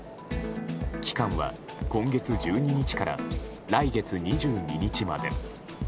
期間は今月１２日から来月２２日まで。